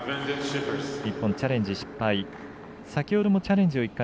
日本、チャレンジ失敗。